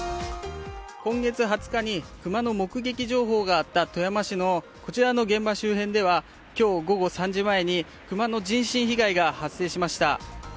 今月２０日に熊の目撃情報があった富山市のこちらの現場周辺では今日午後３時前に熊の人身被害が発生しました。